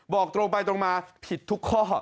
บอกตรงไปตรงมาผิดทุกข้อ